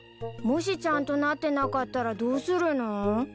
もしちゃんとなってなかったらどうするの？